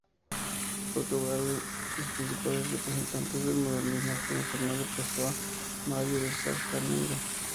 En Portugal, los principales representantes del modernismo fueron Fernando Pessoa, Mário de Sá-Carneiro.